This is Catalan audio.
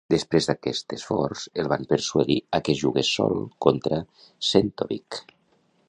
Després d'aquest esforç, el van persuadir a que jugués sol contra Czentovic.